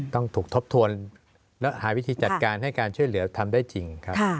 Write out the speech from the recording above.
ต้องถูกทบทวนและหาวิธีจัดการให้การช่วยเหลือทำได้จริงครับ